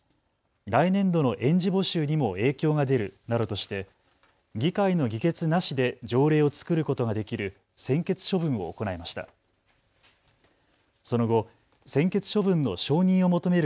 来年度の園児募集にも影響が出るなどとして議会の議決なしで条例を作ることができる専決処分を行いました。